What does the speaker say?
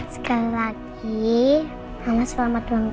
sekali lagi mama selamat tinggal